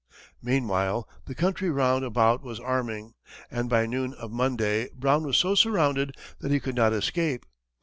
Meanwhile, the country round about was arming, and by noon, of Monday, Brown was so surrounded that he could not escape.